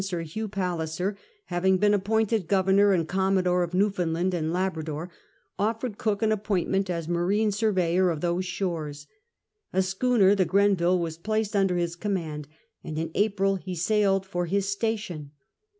Sir Hugh Palliser, having been appointed Governor and Commodore of Newfoundland and Labrador, offered Cook an appointment as marine surveyor of those shores. A schooner, the Grenville^ was placed under his command, and in April he sailed for his station.